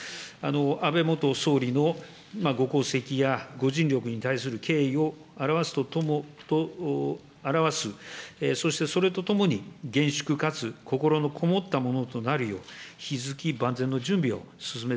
安倍元総理のご功績やご尽力に対する敬意を表す、そしてそれとともに、厳粛かつ心のこもったものとなるよう、引き続き万全の準備を進め